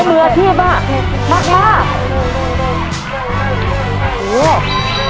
ตอนนี้เวลาไล่เข้ามาแล้วครับคุณผู้ชมครับโหมืออาชีพอ่ะมากมาก